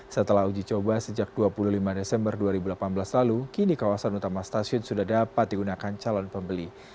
setelah uji coba sejak dua puluh lima desember dua ribu delapan belas lalu kini kawasan utama stasiun sudah dapat digunakan calon pembeli